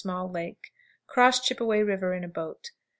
Small Lake. Cross Chippeway River in a boat.